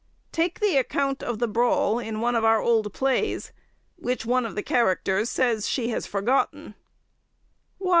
Take the account of the brawl in one of our old plays, which one of the characters says she has forgotten: "Why!